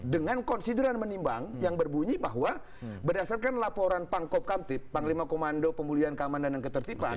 dengan konsideran menimbang yang berbunyi bahwa berdasarkan laporan pangkop kamtip panglima komando pemulihan keamanan dan ketertiban